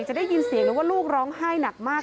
จะได้ยินเสียงเลยว่าลูกร้องไห้หนักมาก